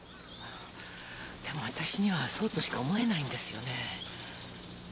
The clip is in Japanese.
でもあたしにはそうとしか思えないんですよね。